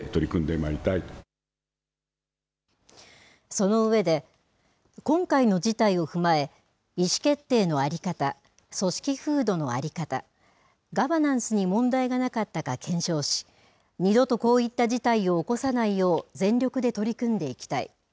その上で今回の事態を踏まえ意思決定の在り方組織風土の在り方ガバナンスに問題がなかったか検証し二度とこういった事態を起こさないよう全力で取り組んでいきたい。